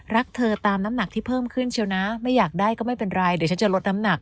รักเธอตามน้ำหนักที่เพิ่มขึ้นเชียวนะไม่อยากได้ก็ไม่เป็นไรเดี๋ยวฉันจะลดน้ำหนัก